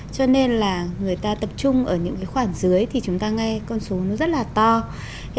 cho nên là người ta tập trung ở những khoản dưới thì chúng ta nghe con số nó rất là to